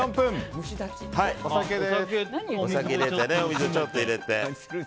お酒を入れてお水もちょっと入れて。